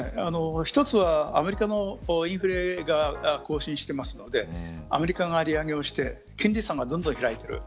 一つはアメリカのインフレが更新しているのでアメリカが利上げをして金利差がどんどん開いていく。